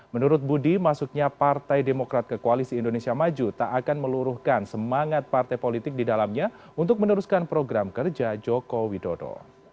menurut budi masuknya partai demokrat ke koalisi indonesia maju tak akan meluruhkan semangat partai politik di dalamnya untuk meneruskan program kerja joko widodo